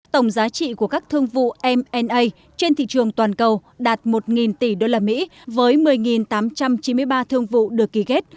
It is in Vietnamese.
tổng giá trị của các thương vụ mna trên thị trường toàn cầu đạt một tỷ usd với một mươi tám trăm chín mươi ba thương vụ được ký kết